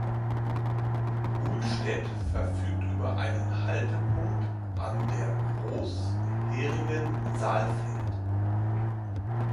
Uhlstädt verfügt über einen Haltepunkt an der Großheringen–Saalfeld.